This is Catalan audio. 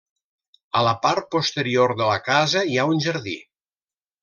A la part posterior de la casa hi ha un jardí.